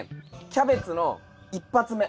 キャベツの一発目。